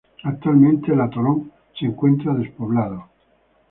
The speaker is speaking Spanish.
Actualmente, el atolón se encuentra despoblado.